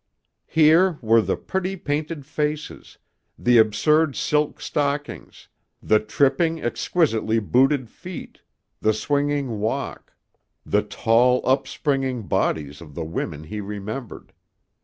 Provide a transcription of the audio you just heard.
Here were the pretty painted faces, the absurd silk stockings, the tripping, exquisitely booted feet, the swinging walk, the tall, up springing bodies of the women he remembered.